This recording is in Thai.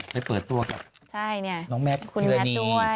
ไปเปิดตัวกับน้องแมทพีราณี